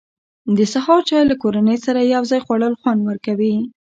د سهار چای له کورنۍ سره یو ځای خوړل خوند ورکوي.